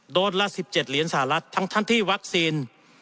โดสต์ละ๑๗เหรียญสหรัฐทั้งทั้งที่วัคซีน